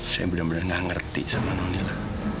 saya bener bener gak ngerti sama nonnila